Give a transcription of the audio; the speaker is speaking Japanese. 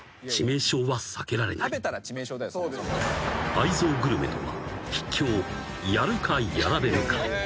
［愛憎グルメとはひっきょうやるかやられるか］